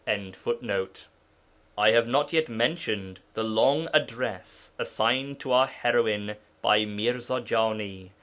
] I have not yet mentioned the long address assigned to our heroine by Mirza Jani.